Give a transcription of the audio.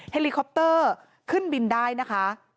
เฮลิคอปเตอร์ขึ้นบินได้นะคะ